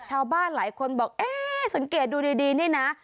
ชาวบ้านหลายคนบอกเอ๊ะสังเกตดูดีนี่นะ